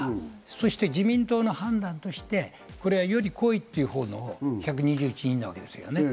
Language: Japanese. そして自民党の判断としてこれは、より濃いというのが１２１人なわけですね。